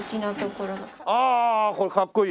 ああああああこれかっこいい。